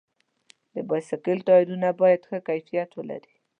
د بایسکل ټایرونه باید ښه کیفیت ولري.